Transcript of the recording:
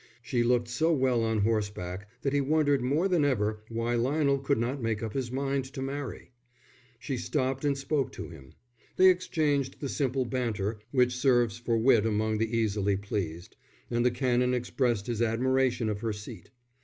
She looked so well on horseback that he wondered more than ever why Lionel could not make up his mind to marry. She stopped and spoke to him. They exchanged the simple banter which serves for wit among the easily pleased, and the Canon expressed his admiration of her seat.